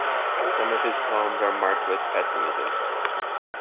Some of his poems are marked with pessimism.